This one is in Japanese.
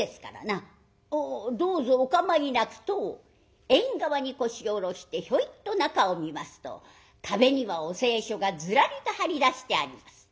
おおどうぞお構いなく」と縁側に腰を下ろしてひょいっと中を見ますと壁にはお清書がずらりと張り出してあります。